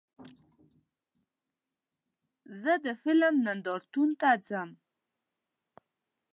زه د فلم نندارتون ته ځم.